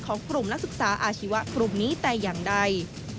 ของกลุ่มนักศึกษาอาชีวะกลุ่มนี้แต่อย่างใด